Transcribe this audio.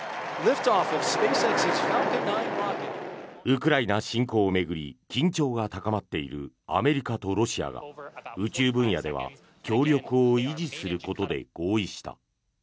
ウクライナ侵攻を巡り緊張が高まっているアメリカとロシアが宇宙分野では協力を維持することで合意した。